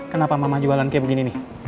kenapa mama jualan kayak begini nih